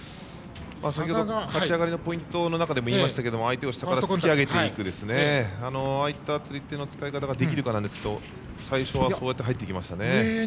先ほど勝ち上がりのポイントでも言いましたけど相手を下から突き上げていくああいった釣り手の使い方ができるかなんですが最初はこうやって入ってきました。